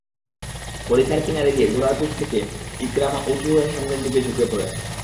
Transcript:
পরিখার কিনারে গিয়ে ঘোড়ার পিঠ থেকে ইকরামা উচু হয়ে সামনের দিকে ঝুঁকে পড়ে।